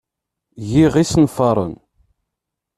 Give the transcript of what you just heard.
Giɣ isenfaren.